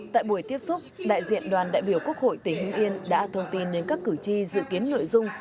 tại buổi tiếp xúc đại diện đoàn đại biểu quốc hội tỉnh hưng yên đã thông tin đến các cử tri dự kiến nội dung